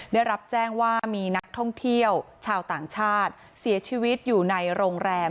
ได้รับแจ้งว่ามีนักท่องเที่ยวชาวต่างชาติเสียชีวิตอยู่ในโรงแรม